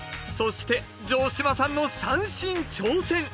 そして城島さんの三線挑戦！